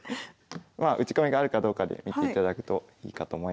まあ打ち込みがあるかどうかで見ていただくといいかと思います。